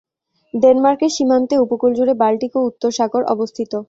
ডেনমার্কের সীমান্তে উপকূল জুড়ে বাল্টিক ও উত্তর সাগর অবস্থিত।